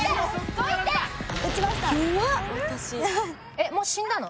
えっもう死んだの？